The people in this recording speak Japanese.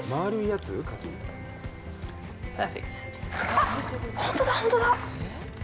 あっ、本当だ、本当だ。